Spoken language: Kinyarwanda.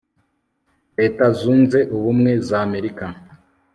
leta zunze ubumwe z'amerika